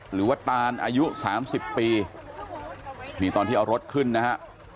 หรือว่าตานอายุสามสิบปีนี่ตอนที่เอารถขึ้นนะฮะ